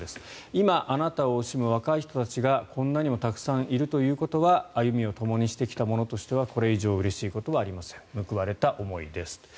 今、あなたを惜しむ若い人がこんなにもたくさんいるということは歩みをともにしてきた者としてはこれ以上うれしいことはありません報われた思いですと。